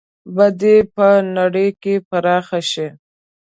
بدي به په نړۍ کې پراخه شي.